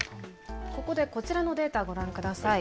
ここでこちらのデータご覧下さい。